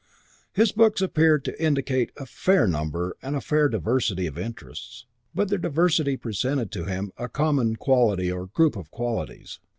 His books appeared to indicate a fair number and a fair diversity of interests; but their diversity presented to him a common quality or group of qualities.